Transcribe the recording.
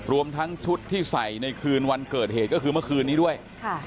รวมทั้งชุดที่ใส่ในคืนวันเกิดเหตุก็คือเมื่อคืนนี้ด้วย